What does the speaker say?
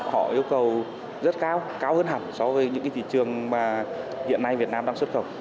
họ yêu cầu rất cao cao hơn hẳn so với những cái thị trường mà hiện nay việt nam đang xuất khẩu